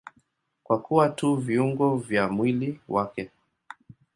Kwa kuwa tu viungo vya mwili wake.